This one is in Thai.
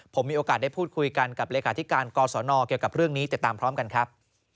ผมมีโอกาสได้พูดคุยกันกับเลขาธิการกศนเกี่ยวกับเรื่องนี้ติดตามพร้อมกันครับ